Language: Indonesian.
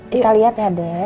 kita lihat ya dek